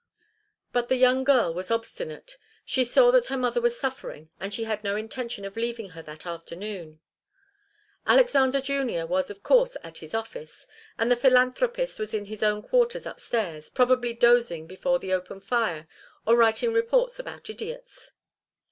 But the young girl was obstinate; she saw that her mother was suffering and she had no intention of leaving her that afternoon. Alexander Junior was of course at his office, and the philanthropist was in his own quarters upstairs, probably dozing before the fire or writing reports about idiots.